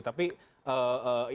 tapi ini kan juga